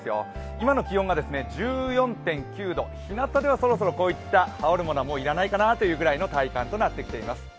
今の気温が１４．９度ひなたではそろそろこういった羽織るものは、もう要らないかなといった体感となっています。